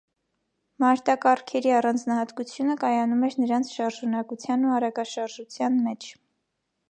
Մարտակառքերի առանձնահատկությունը կայանում էր նրանց շարժունակության ու արագաշարժության մեջ։